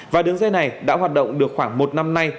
và đường dây này đã hoạt động được khoảng một năm nay